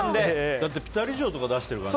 だってピタリ賞とか出してるからね。